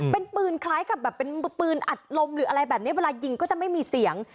เป็นปืนคล้ายกับแบบเป็นปืนอัดลมหรืออะไรแบบนี้เวลายิงก็จะไม่มีเสียง